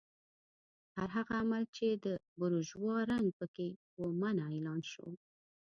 هر هغه عمل چې د بورژوا رنګ پکې و منع اعلان شو.